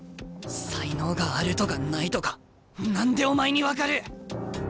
才能があるとかないとか何でお前に分かる見とけ！